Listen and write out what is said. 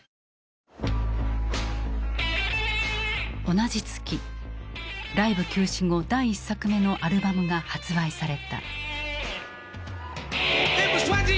同じ月ライブ休止後第１作目のアルバムが発売された。